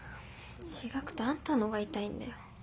違くてあんたのが痛いんだよ。